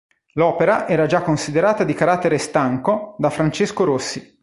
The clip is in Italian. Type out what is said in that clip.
L'opera era già considerata di carattere "stanco" da Francesco Rossi.